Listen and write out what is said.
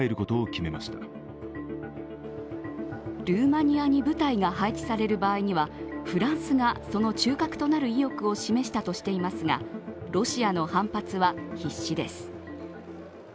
ルーマニアに部隊が配置される場合にはフランスがその中核となる意欲を示したとしていますがロシアの反発は必至です。